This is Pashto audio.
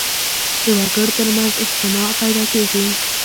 د وګړو تر منځ اجماع پیدا کېږي